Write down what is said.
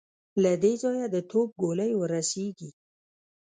له دې ځايه د توپ ګولۍ ور رسېږي.